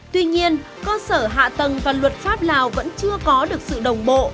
tuy nhiên cơ sở hạ tầng và luật pháp lào vẫn chưa có được sự đồng bộ